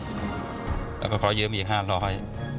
อย่างนี้แล้วเขาขอยืมอีก๕๐๐บาท